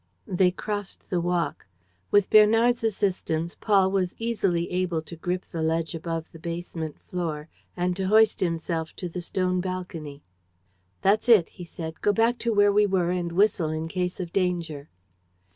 They crossed the walk. With Bernard's assistance, Paul was easily able to grip the ledge above the basement floor and to hoist himself to the stone balcony. "That's it," he said. "Go back to where we were and whistle in case of danger."